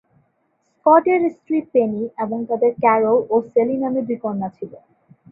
স্কটের স্ত্রী পেনি এবং তাদের ক্যারল ও স্যালি নামে দুই কন্যা ছিল।